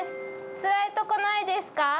つらい所ないですか？